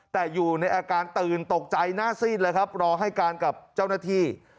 แต่อยู่ในอาการตื่นตกใจหน้าซีดเลยครับรอให้การกับเจ้าหน้าที่